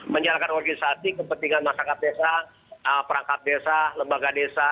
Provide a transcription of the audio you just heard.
menjalankan organisasi kepentingan masyarakat desa perangkat desa lembaga desa